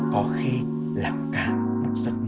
có khi là cả một giấc mơ